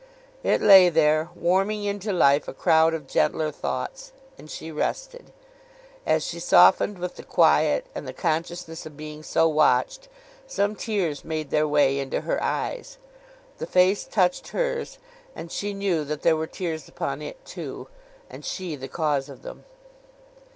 It lay there, warming into life a crowd of gentler thoughts; and she rested. As she softened with the quiet, and the consciousness of being so watched, some tears made their way into her eyes. The face touched hers, and she knew that there were tears upon it too, and she the cause of them.